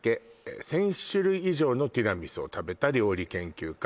「１０００種類以上のティラミスを食べた料理研究家」